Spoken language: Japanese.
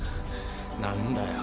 何だよ。